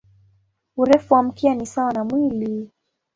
Urefu wa mkia ni sawa na mwili.